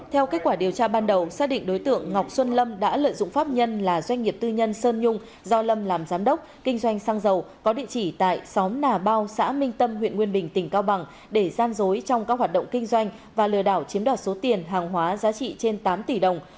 theo kết quả điều tra ban đầu xác định đối tượng ngọc xuân lâm đã lợi dụng pháp nhân là doanh nghiệp tư nhân sơn nhung do lâm làm giám đốc kinh doanh xăng dầu có địa chỉ tại xóm nà bao xã minh tâm huyện nguyên bình tỉnh cao bằng để gian dối trong các hoạt động kinh doanh và lừa đảo chiếm đoạt số tiền hàng hóa giá trị trên tám tỷ đồng